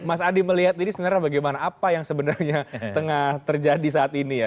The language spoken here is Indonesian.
mas adi melihat ini sebenarnya bagaimana apa yang sebenarnya tengah terjadi saat ini ya